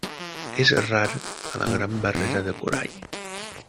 És rar a la Gran Barrera de Corall.